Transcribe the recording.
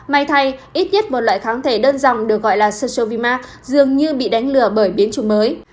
may thay ít nhất một loại kháng thể đơn giọng được gọi là social vima dường như bị đánh lừa bởi biến chủng mới